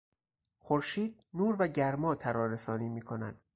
خورشید نور و گرما ترارسانی میکند.